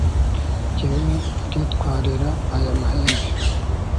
njyewe nditwarira aya mahembe